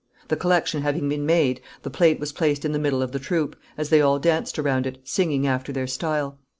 The collection having been made, the plate was placed in the middle of the troupe, as they all danced around it, singing after their style.